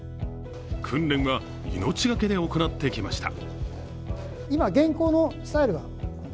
訓練は命懸けで行ってきました。